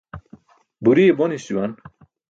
Buriye bonis juwan.